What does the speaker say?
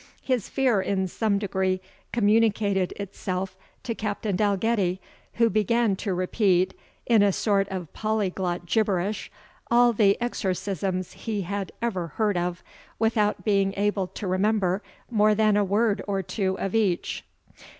His fear in some degree communicated itself to Captain Dalgetty, who began to repeat, in a sort of polyglot gibberish, all the exorcisms he had ever heard of, without being able to remember more than a word or two of each.